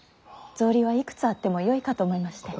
草履はいくつあってもよいかと思いまして。